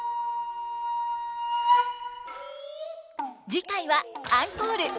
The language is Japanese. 次回はアンコール。